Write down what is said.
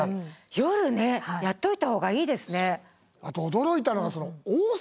夜ねやっておいたほうがいいですね。